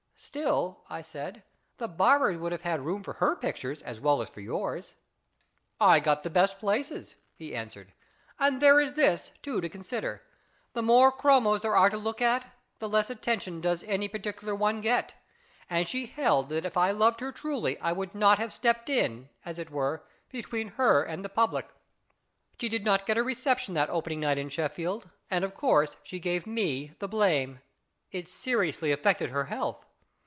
" Still," I said, " the barbers would have had room for her pictures as well as for yours." 266 IS IT A MAN? " I got the best places," he answered ;" and there is this^ too, to consider. The more chromes there are to look at, the less attention does any particular one get ; and she held that if I loved her truly I would not have stepped in, as it were, between her and the public. She did not get a reception that opening night at Sheffield, and, of course, she gave me the blame. It seriously affected her health."